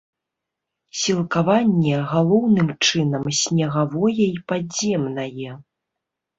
Сілкаванне галоўным чынам снегавое і падземнае.